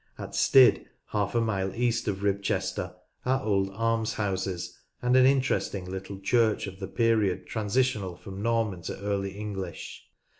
At Styd, half a mile east of Ribchester, are old almshouses and an interesting little church of the period transitional from Norman to Early English.